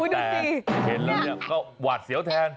แต่เห็นแล้วเนี่ยก็หวาดเสียวแทน